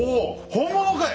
本物かい！